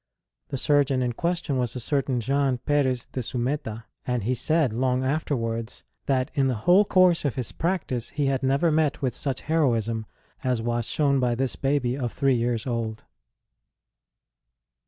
The surgeon in question was a certain Jean Perez de Zumeta; ST. ROSE S CHILDHOOD 4! and he said, long afterwards, that in the whole course of his practice he had never met with such heroism as was shown by this baby of three years old.